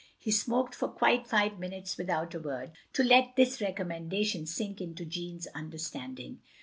He smoked for quite five minutes without a word, to let this recommendation sink into Jeanne's tinderstanding.